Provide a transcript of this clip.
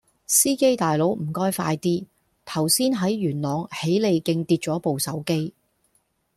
司機大佬唔該快啲，頭先喺元朗喜利徑跌左部手機